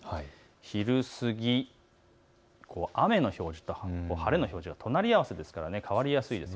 昼過ぎ、雨の表示と晴れの表示が隣り合わせですから変わりやすいです。